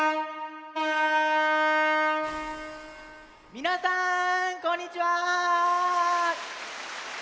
みなさんこんにちは！